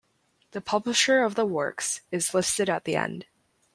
The publisher of the works is listed at the end.